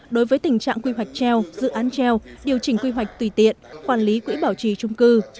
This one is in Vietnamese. đối với tình trạng quy hoạch treo dự án treo điều chỉnh quy hoạch tùy tiện quản lý quỹ bảo trì trung cư